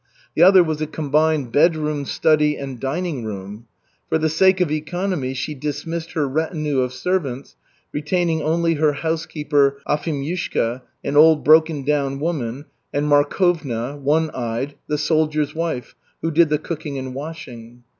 The other was a combined bedroom, study and dining room. For the sake of economy she dismissed her retinue of servants, retaining only her housekeeper Afimyushka, an old, broken down woman, and Markovna, one eyed, the soldier's wife, who did the cooking and washing.